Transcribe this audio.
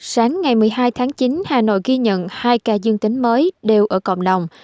sáng ngày một mươi hai tháng chín hà nội ghi nhận hai ca dương tính mới đều ở cộng đồng